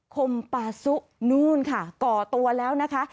คมปาซุนู่นค่ะก่อตัวแล้วนะคะ